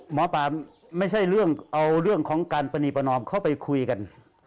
หมอปลาไม่ใช่เรื่องเอาเรื่องของการปรณีประนอมเข้าไปคุยกัน